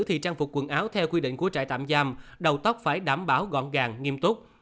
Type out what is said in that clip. thì trang phục quần áo theo quy định của trại tạm giam đầu tóc phải đảm bảo gọn gàng nghiêm túc